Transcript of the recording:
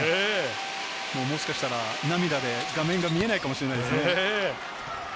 もしかしたら涙で画面が見えないかもしれませんね。